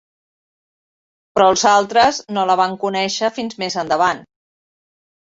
Però els altres no la van conèixer fins més endavant.